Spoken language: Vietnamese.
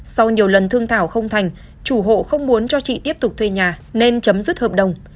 sau nhiều lần thương thảo không thành chủ hộ không muốn cho chị tiếp tục thuê nhà nên chấm dứt hợp đồng